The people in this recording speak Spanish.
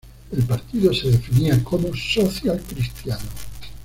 El partido se definía como socialcristiano.